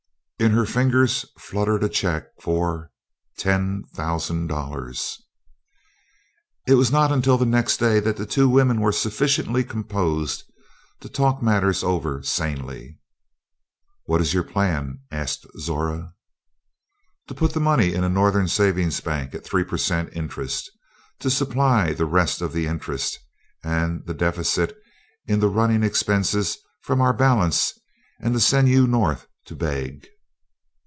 In her fingers fluttered a check for ten thousand dollars! It was not until the next day that the two women were sufficiently composed to talk matters over sanely. "What is your plan?" asked Zora. "To put the money in a Northern savings bank at three per cent interest; to supply the rest of the interest, and the deficit in the running expenses, from our balance, and to send you North to beg."